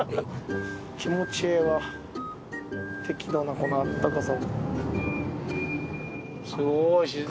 気持ちええわ適度なこのあったかさ。